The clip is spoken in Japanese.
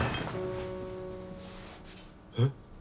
えっ！？